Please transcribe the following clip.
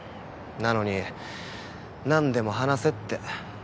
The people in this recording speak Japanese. なのに何でも話せって。